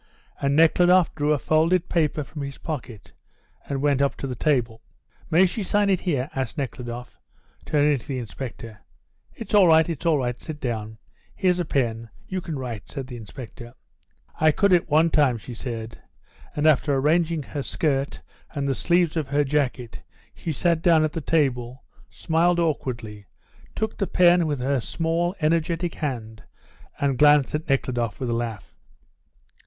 And Nekhludoff drew a folded paper from his pocket and went up to the table. "May she sign it here?" asked Nekhludoff, turning to the inspector. "It's all right, it's all right! Sit down. Here's a pen; you can write?" said the inspector. "I could at one time," she said; and, after arranging her skirt and the sleeves of her jacket, she sat down at the table, smiled awkwardly, took the pen with her small, energetic hand, and glanced at Nekhludoff with a laugh.